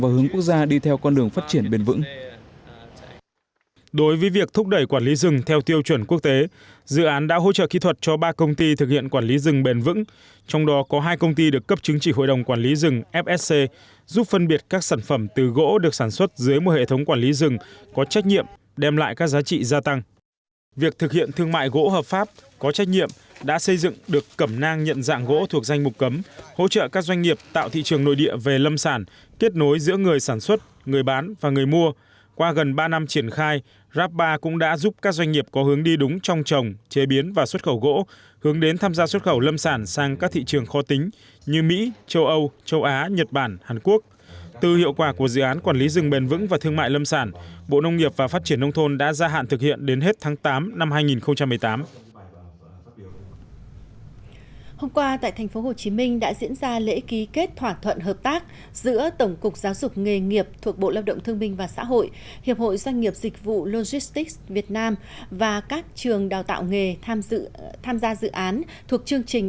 hôm qua tại tp hcm đã diễn ra lễ ký kết thỏa thuận hợp tác giữa tổng cục giáo dục nghề nghiệp thuộc bộ lao động thương minh và xã hội hiệp hội doanh nghiệp dịch vụ logistics việt nam và các trường đào tạo nghề tham gia dự án thuộc chương trình úc cùng việt nam phát triển nguồn nhân lực